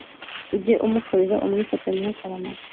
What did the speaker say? Ujye umukorera, umwifatanyeho akaramata